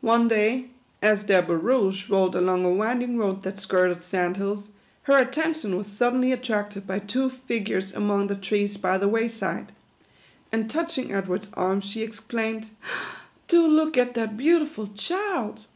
One day, as their barouche rolled along a winding road that skirted San4 Hills, her attention was suddenly attracted by two figures among the trees by the way side ; and touching Edward's arm, she ex claimed, " Do look at that beautiful child